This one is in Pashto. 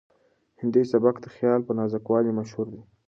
هندي سبک د خیال په نازکوالي مشهور دی.